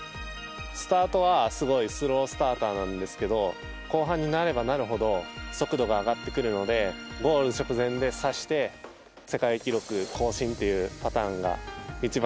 スタートは、すごいスロースターターなんですけど後半になればなるほど速度が上がってくるのでゴール直前でさして世界記録更新というパターンが一番